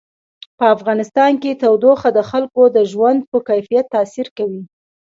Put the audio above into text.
په افغانستان کې تودوخه د خلکو د ژوند په کیفیت تاثیر کوي.